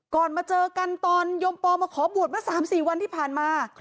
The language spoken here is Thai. มาเจอกันตอนยมปอมาขอบวชเมื่อ๓๔วันที่ผ่านมา